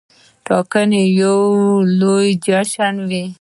ټاکنې یو لوی جشن وي.